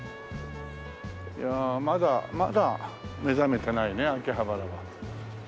いやあまだまだ目覚めてないね秋葉原は。